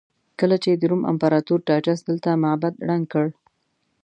کله چې د روم امپراتور ټایټس دلته معبد ړنګ کړ.